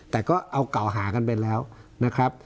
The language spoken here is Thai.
แต่ก็เอาเก่าหากันไปแล้วนะครับ